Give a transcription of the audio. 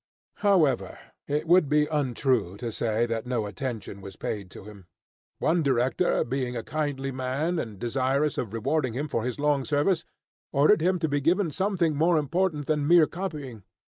However, it would be untrue to say that no attention was paid to him. One director being a kindly man, and desirous of rewarding him for his long service, ordered him to be given something more important than mere copying.